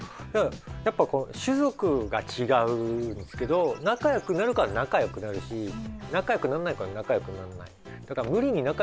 やっぱり種族が違うんですけど仲よくなる子は仲よくなるし仲よくならない子は仲よくならない。